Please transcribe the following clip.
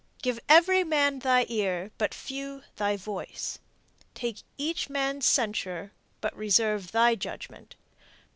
Give every man thy ear, but few thy voice; Take each man's censure, but reserve thy judgment.